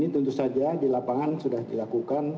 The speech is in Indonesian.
tentu saja di lapangan sudah dilakukan